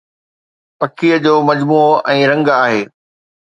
پکيءَ جو مجموعو ۽ رنگ آهي